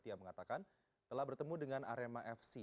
dia mengatakan telah bertemu dengan arema fc